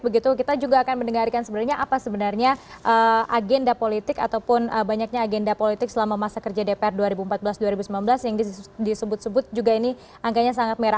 begitu kita juga akan mendengarkan sebenarnya apa sebenarnya agenda politik ataupun banyaknya agenda politik selama masa kerja dpr dua ribu empat belas dua ribu sembilan belas yang disebut sebut juga ini angkanya sangat merah